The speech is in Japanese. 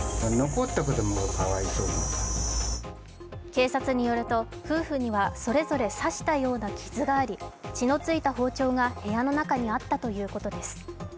警察によると夫婦にはそれぞれ刺したような傷があり血のついた包丁が部屋の中にあったということです。